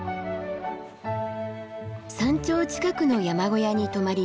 山頂近くの山小屋に泊まり